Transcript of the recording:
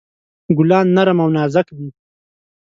ګلان نرم او نازک دي.